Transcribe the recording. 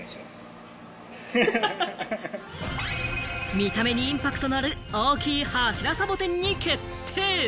見た目にインパクトのある大きい柱サボテンに決定。